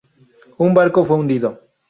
Un barco fue hundido.